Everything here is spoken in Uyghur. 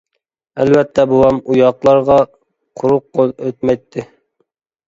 ئەلۋەتتە بوۋام ئۇ ياقلارغا قۇرۇق قول ئۆتمەيتتى.